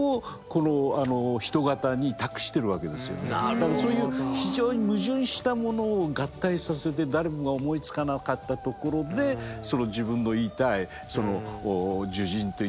だからそういう非常に矛盾したものを合体させて誰もが思いつかなかったところで自分の言いたい「樹人」っていうようなものがあればいいんじゃないか。